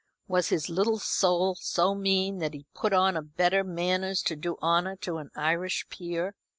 Was his little soul so mean that he put on better manners to do honour to an Irish peer?